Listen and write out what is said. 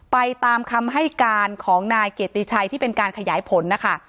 ไปตามคำให้การของนายเกียรติชัยที่เป็นการขยายผลนะคะ